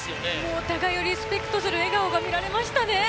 お互いをリスペクトする笑顔が見られましたね。